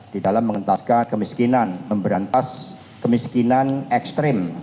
di dalam mengentaskan kemiskinan memberantas kemiskinan ekstrim